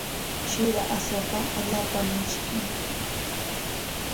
Shura aswaqa allaapam mishkin.